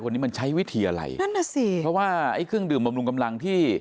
วันนี้มันใช้วิธีอะไรนั่นน่ะสิเพราะว่าไอ้เครื่องดื่มบำรุงกำลังที่